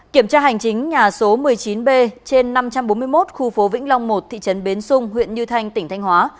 kiểm tra hành chính nhà số một mươi chín b trên năm trăm bốn mươi một khu phố vĩnh long một thị trấn bến xung huyện như thanh tỉnh thanh hóa